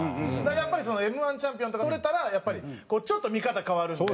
やっぱりＭ−１チャンピオンとかとれたらやっぱりちょっと見方変わるんで。